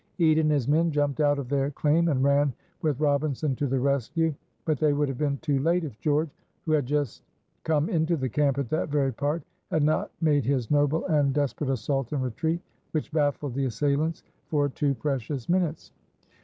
Ede and his men jumped out of their claim and ran with Robinson to the rescue. But they would have been too late if George, who had just come into the camp at that very part, had not made his noble and desperate assault and retreat, which baffled the assailants for two precious minutes.